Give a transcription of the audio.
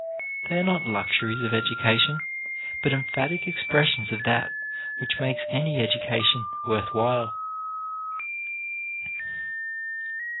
They are not luxuries of education, but emphatic expressions of that which makes any education worth while.